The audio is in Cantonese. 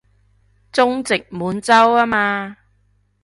中殖滿洲吖嘛